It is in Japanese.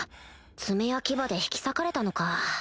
爪や牙で引き裂かれたのか